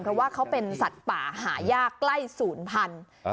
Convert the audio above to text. เพราะว่าเขาเป็นสัตว์ป่าหายากใกล้ศูนย์พันธุ์